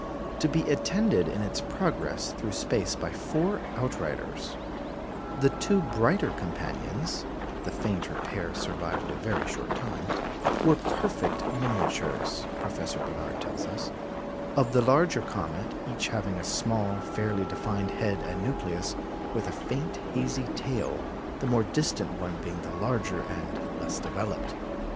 to be attended in its progress through space by four outriders, "The two brighter companions" (the fainter pair survived a very short time) "were perfect miniatures," Professor Barnard tells us, "of the larger comet, each having a small, fairly defined head and nucleus, with a faint, hazy tail, the more distant one being the larger and less developed.